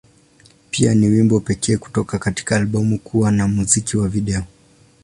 Pia, ni wimbo pekee kutoka katika albamu kuwa na muziki wa video.